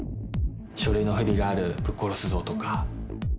書類の不備がある、ぶっ殺すぞとか。